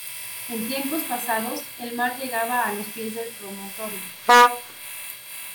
En tiempos pasados el mar llegaba a los pies del promontorio.